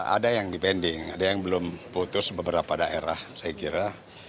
ada yang dipending ada yang belum putus beberapa daerah saya kira